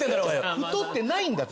太ってないんだって。